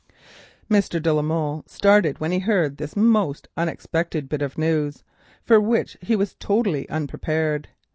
Mr. de la Molle started when he heard this most unexpected bit of news, for which he was totally unprepared.